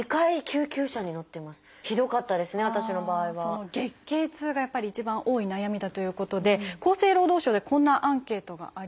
その月経痛がやっぱり一番多い悩みだということで厚生労働省でこんなアンケートがありました。